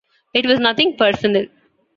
It was nothing personal.